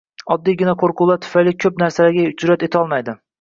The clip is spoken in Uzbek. Oddiygina qo’rquvlari tufayli ko’p narsalarga jur’at etolmaydi.